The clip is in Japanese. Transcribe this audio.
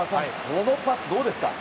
このパス、どうですか？